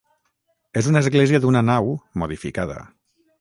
És una església d'una nau, modificada.